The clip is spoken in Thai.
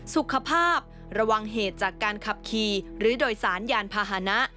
สุขภาพระวังเหตุจากการขับขี่หรือโดยสารยานพาหนะ